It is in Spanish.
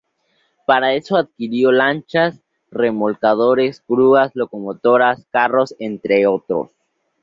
Para eso adquirió lanchas, remolcadores, grúas, locomotoras, carros, entre otros.